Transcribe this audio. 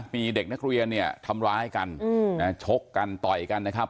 มีเด็กนักเรียนเนี่ยทำร้ายกันชกกันต่อยกันนะครับ